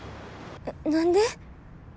何で？